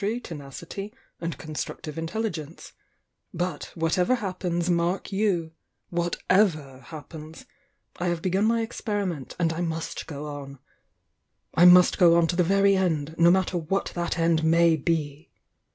y, tenacity and constructive intelligence,— but, whatever happens, mark you t— u>/ia«ei;er happens, I have begun my experiment, and I must go on! I must go on to the very end,— no matter what that end may be!"